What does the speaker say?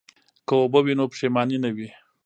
که اوبه وي نو پښیماني نه وي.